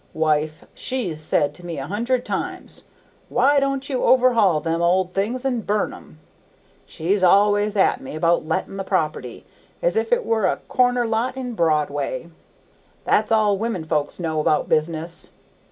Wife, she's said to me a hundred times, 'Why don't you overhaul them old things and burn 'em?' She's al'ays at me about letting the property, as if it were a corner lot in Broadway. That's all women folks know about business!"